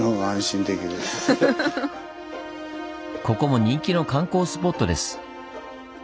ここも人気の観光スポットです。